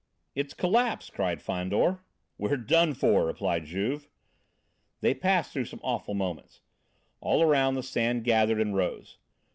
"It's collapsed!" cried Fandor. "We're done for!" replied Juve. They passed through some awful moments. All around the sand gathered and rose.